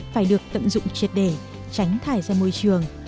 phải được tận dụng triệt để tránh thải ra môi trường